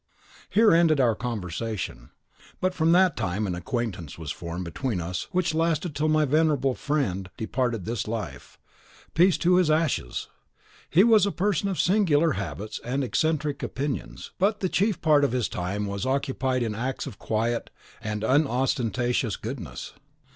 Here ended our conversation; but from that time an acquaintance was formed between us which lasted till my venerable friend departed this life. Peace to his ashes! He was a person of singular habits and eccentric opinions; but the chief part of his time was occupied in acts of quiet and unostentatious goodness.